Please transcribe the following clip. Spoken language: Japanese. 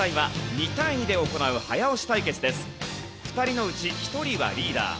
２人のうち１人はリーダー。